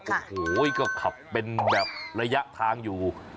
โอ้โหก็ขับเป็นแบบระยะทางอยู่